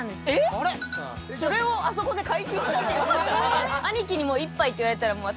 それをあそこで解禁しちゃってよかった？